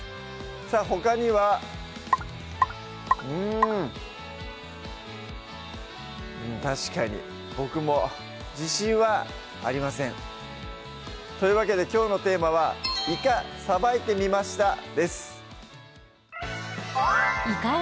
さぁほかにはうん確かに僕も自信はありませんというわけできょうのテーマは「イカさばいてみました」です